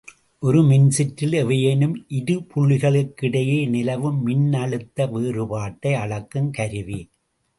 ஒரு மின்சுற்றில் எவையேனும் இருபுள்ளிகளுக்கிடையே நிலவும் மின்னழுத்த வேறுபாட்டை அளக்குங் கருவி.